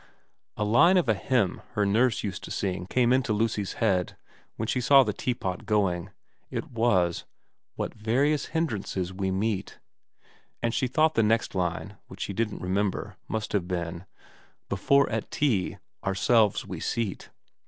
A line of a hymn her nurse used to sing came into Lucy's head when she saw the teapot going. It was : What various hindrances we meet and she thought the next line, which she didn't remember, must have been : Before at tea ourselves we seat.